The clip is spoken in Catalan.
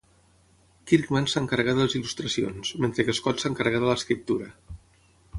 Kirkman s'encarrega de les il·lustracions, mentre que Scott s'encarrega de l'escriptura.